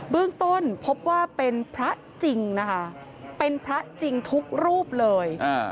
เบื้องต้นพบว่าเป็นพระจริงนะคะเป็นพระจริงทุกรูปเลย